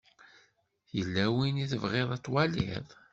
Yella win i tebɣiḍ ad twaliḍ?